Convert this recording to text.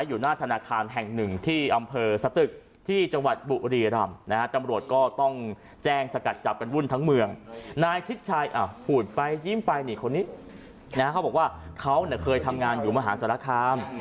ยิ้มไปอีกคนนี้นะฮะเขาบอกว่าเขาเคยทำงานอยู่มหาสารคาม